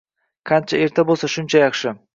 Qancha erta boʻlsa, shuncha yaxshi